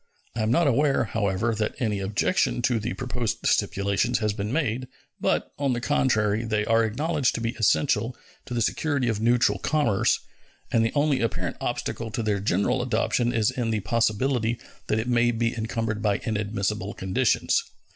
I am not aware, however, that any objection to the proposed stipulations has been made, but, on the contrary, they are acknowledged to be essential to the security of neutral commerce, and the only apparent obstacle to their general adoption is in the possibility that it may be encumbered by inadmissible conditions.